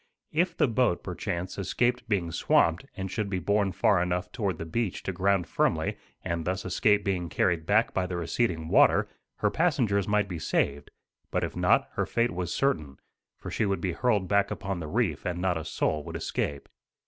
If the boat, perchance, escaped being swamped and should be borne far enough toward the beach to ground firmly and thus escape being carried back by the receding water, her passengers might be saved; but if not, her fate was certain, for she would be hurled back upon upon the reef and not a soul would escape.